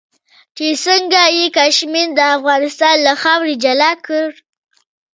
چې څنګه یې کشمیر د افغانستان له خاورې جلا کړ.